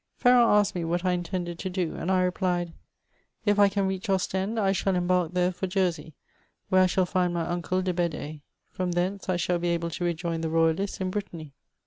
Ferron asked me what I intended to do, and I replied, *' If I can reach Ostend, I shall embark therefor Jersey, where I shall find my uncle de Bedee ; from thence I shall be able to rejoin the royalists in Brittany."